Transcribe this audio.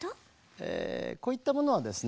ええこういったものはですね